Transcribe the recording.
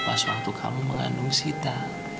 pas waktu kamu mengandung sita